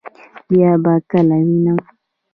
بیا به کله وینم؟